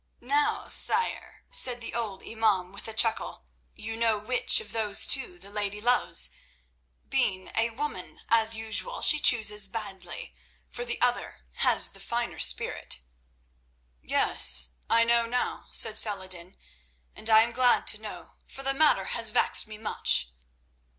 "Now, sire," said the old imaum with a chuckle, "you know which of those two the lady loves. Being a woman, as usual she chooses badly, for the other has the finer spirit." "Yes, I know now," said Saladin, "and I am glad to know, for the matter has vexed me much."